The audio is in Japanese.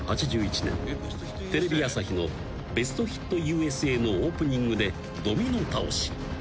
テレビ朝日の『ベストヒットＵＳＡ』のオープニングでドミノ倒し］